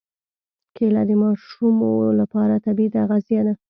کېله د ماشو لپاره طبیعي تغذیه ده.